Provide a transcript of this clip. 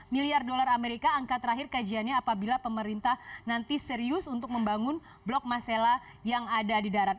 lima miliar dolar amerika angka terakhir kajiannya apabila pemerintah nanti serius untuk membangun blok masela yang ada di darat